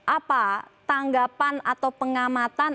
apa tanggapan atau pengamatan